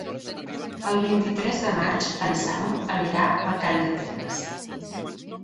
El vint-i-tres de maig en Sam anirà a Calldetenes.